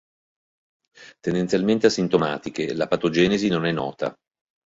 Tendenzialmente asintomatiche, la patogenesi non è nota.